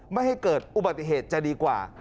ไม่ให้เกิดอุบัติเหตุจะดีกว่า